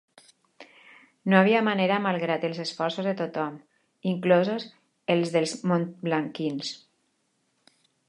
No hi havia manera malgrat els esforços de tothom, inclosos els dels montblanquins.